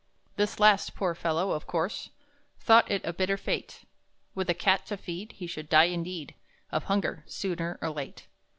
This last, poor fellow, of course Thought it a bitter fate; With a cat to feed, he should die, indeed, Of hunger, sooner or late.